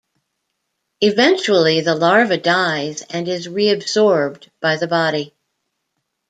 Eventually the larva dies and is reabsorbed by the body.